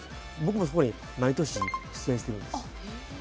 僕もそこに毎年出演してるんですよ。